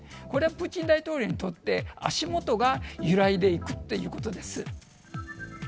これはプーチン大統領にとって足元が揺らいでいくということです。